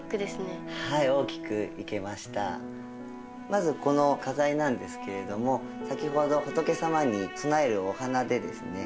まずこの花材なんですけれども先ほど仏様に供えるお花でですね